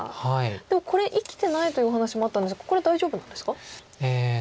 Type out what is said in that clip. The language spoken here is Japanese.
でもこれ生きてないというお話もあったんですがこれ大丈夫なんですか？